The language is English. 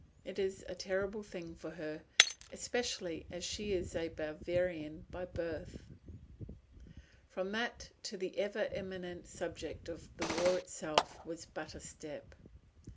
"It is a terrible thing for her, especially as she is a Bavarian by birth." From that to the ever imminent subject of the war itself was but a step.